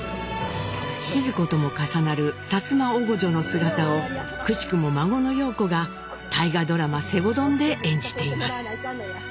シヅ子とも重なる薩摩おごじょの姿をくしくも孫の陽子が大河ドラマ「西郷どん」で演じています。